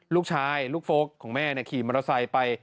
ลูกชายลูกโฟลกของแม่ขี่มอเตอร์ไซค์ไป